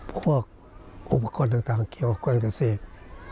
พวกอุปกรณ์ต่างเกี่ยวกับการเกษตร